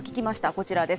こちらです。